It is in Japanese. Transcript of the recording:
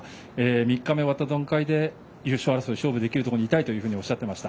３日目終わった段階で優勝争い勝負できるところにいたいとおっしゃっていました。